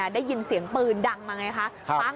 ได้ยินเสียงปืนดังมาไงคะ